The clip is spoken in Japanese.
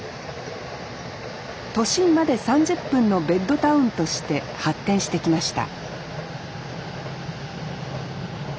都心まで３０分のベッドタウンとして発展してきました